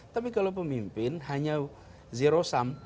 tapi kalau pemimpin hanya zero sum